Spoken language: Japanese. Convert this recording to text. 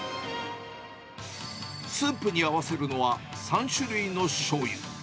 スープに合わせるのは、３種類のしょうゆ。